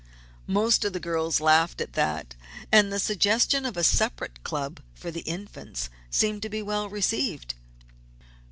Most of the girls laughed at that. And the suggestion of a separate club for the Infants seemed to be well received.